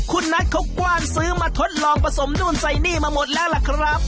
คุณนัทเขากว้านซื้อมาทดลองผสมนู่นใส่นี่มาหมดแล้วล่ะครับ